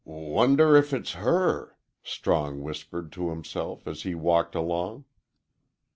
"W wonder if it's her?" Strong whispered to himself as he walked along.